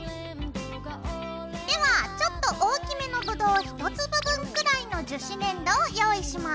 ではちょっと大きめのブドウ１粒分くらいの樹脂粘土を用意します。